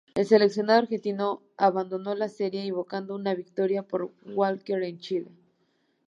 El seleccionado argentino abandonó la serie, invocando una victoria por walkover de Chile.